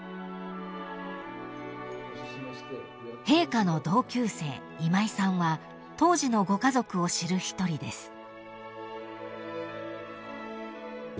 ［陛下の同級生今井さんは当時のご家族を知る一人です］